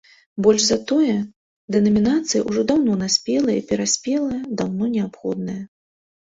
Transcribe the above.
Больш за тое, дэнамінацыя ўжо даўно наспелая і пераспелая, даўно неабходная.